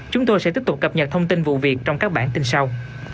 chúng tôi sẽ tiếp tục cập nhật thông tin vụ việc trong các bản tin sau